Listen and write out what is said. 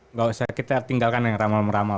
nggak usah kita tinggalkan yang ramal meramal